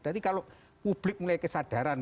nanti kalau publik mulai kesadaran